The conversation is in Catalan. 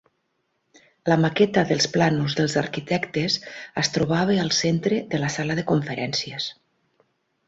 La maqueta dels plànols dels arquitectes es trobava al centre de la sala de conferències.